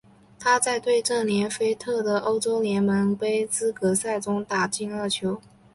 他在对阵连菲特的欧洲联盟杯资格赛中打进二球。